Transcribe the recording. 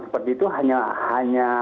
seperti itu hanya hanya